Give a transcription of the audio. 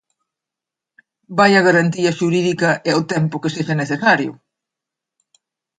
¡Vaia garantía xurídica é o tempo que sexa necesario!